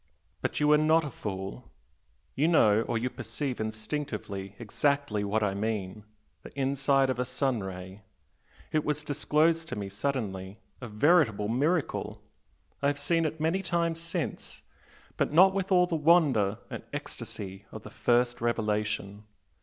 But you are not a fool, you know or you perceive instinctively exactly what I mean. The inside of a sun ray! it was disclosed to me suddenly a veritable miracle! I have seen it many times since, but not with all the wonder and ecstasy of the first revelation.